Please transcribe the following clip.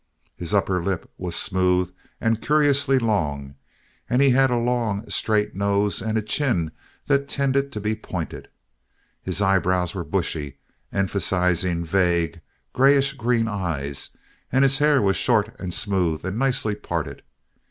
His upper lip was smooth and curiously long, and he had a long, straight nose and a chin that tended to be pointed. His eyebrows were bushy, emphasizing vague, grayish green eyes, and his hair was short and smooth and nicely parted.